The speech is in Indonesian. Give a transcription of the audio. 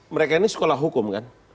mereka ini sekolah hukum kan